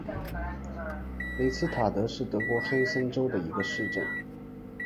里茨塔特是德国黑森州的一个市镇。